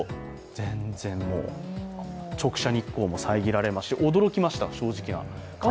全然もう、直射日光も遮られますし、驚きました、正直な感想としては。